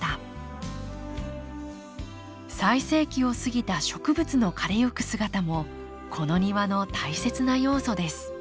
最盛期を過ぎた植物の枯れゆく姿もこの庭の大切な要素です